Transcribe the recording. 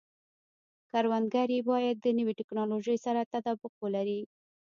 کروندګري باید د نوې ټکنالوژۍ سره تطابق ولري.